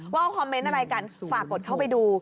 ว่าคอมเมนต์อะไรกันฝากกดเข้าไปดู